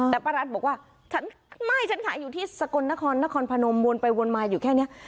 แต่ป้ารัสบอกว่าฉันไม่ฉันขายอยู่ที่สกลนครนครพนมวนไปวนมาอยู่แค่นี้